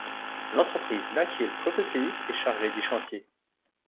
L'entreprise Nakheel Properties est chargée du chantier.